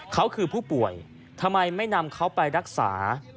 เขาคือผู้ป่วยทำไมไม่นำเขาไปรักษา